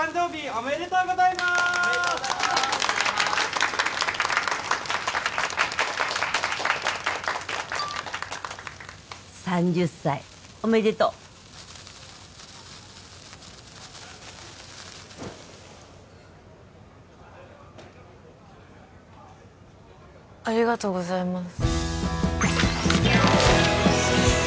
おめでとうございます３０歳おめでとうありがとうございます